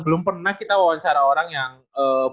belum pernah kita wawancara orang yang punya kemampuan